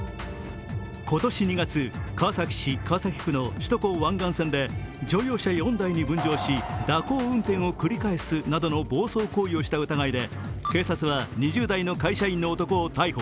今年２月、川崎市川崎区の首都高湾岸線で、乗用車４台に分譲し蛇行運転を繰り返すなどの暴走行為をした疑いで警察は２０代の会社員の男を逮捕。